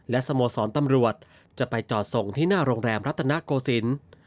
และสโมสรตำรวจจะไปจอดส่งที่หน้าโรงแรมรัตนโกศิลป์